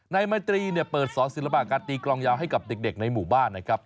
ไมตรีเนี่ยเปิดสอนศิลปะการตีกลองยาวให้กับเด็กในหมู่บ้านนะครับ